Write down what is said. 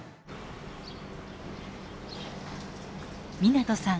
湊さん